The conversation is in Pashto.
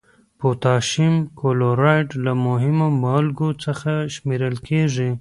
پوتاشیم کلورایډ له مهمو مالګو څخه شمیرل کیږي.